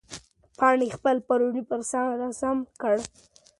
پاڼې خپل پړونی پر سر سم کړ.